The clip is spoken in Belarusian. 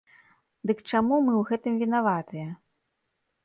Дык чаму мы ў гэтым вінаватыя?